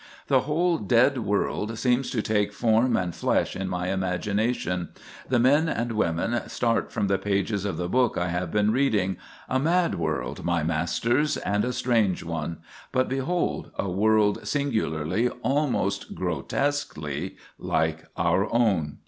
The whole dead world seems to take form and flesh in my imagination; the men and women start from the pages of the book I have been reading—a mad world, my masters, and a strange one; but behold, a world singularly, almost grotesquely, like our own.